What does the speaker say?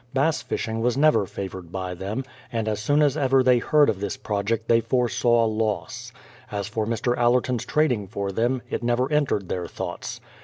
Bass fishing was never favoured by them, and as soon as ever they heard of this project they foresaw loss. As for Mr. Allerton's trading for them, it never entered their thoughts.